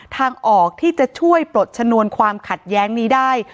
ทางออกที่จะช่วยปลดชนวนความขัดแย้งนี้ได้